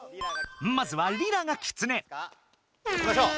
まずはリラがキツネ。いきましょう。